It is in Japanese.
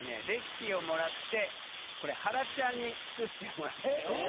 レシピをもらってこれはらちゃんに作ってもらったよ。